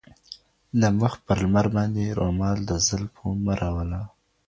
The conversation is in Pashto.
د مخ پر لمر باندي رومال د زلفو مه راوله